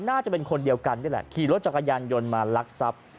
น่าจะเป็นคนเดียวกันนี่แหละขี่รถจักรยานยนต์มาลักทรัพย์